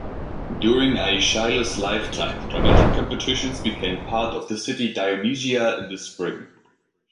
During Aeschylus's lifetime, dramatic competitions became part of the City Dionysia in the spring.